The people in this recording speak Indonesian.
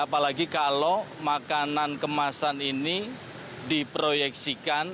apalagi kalau makanan kemasan ini diproyeksikan